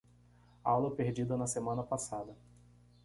Aula perdida na semana passada